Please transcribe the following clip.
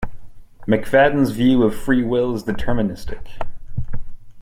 McFadden's view of free will is deterministic.